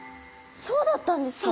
そうだったんですか？